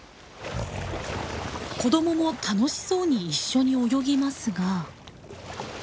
子どもも楽しそうに一緒に泳ぎますが。